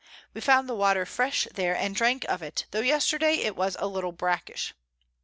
We found the Water fresh there, and drank of it, tho' yesterday it was a little brackish.